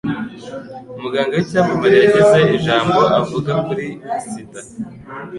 Umuganga w'icyamamare yagize ijambo avuga kuri sida.